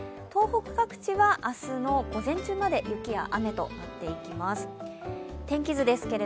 東北各地は明日の午前中まで雪や雨となっています。